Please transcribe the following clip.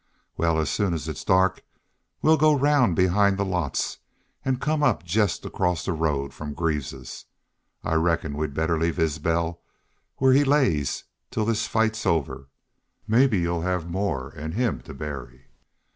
Wal, as soon as it's dark, we'll go round behind the lots an' come up jest acrost the road from Greaves's. I reckon we'd better leave Isbel where he lays till this fight's over. Mebbe y'u 'll have more 'n him to bury.